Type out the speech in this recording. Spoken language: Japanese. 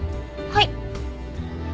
はい。